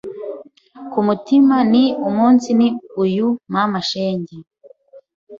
Ku mutima nti umunsi ni uyu mama shenge.